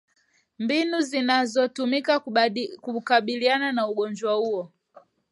mbinu zinazotumika kukabiliana na ugonjwa huo